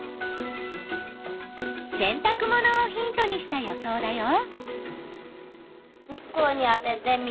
せんたく物をヒントにした予想だよ。